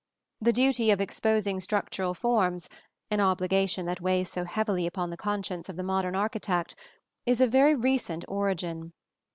The duty of exposing structural forms an obligation that weighs so heavily upon the conscience of the modern architect is of very recent origin.